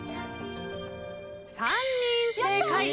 ３人正解。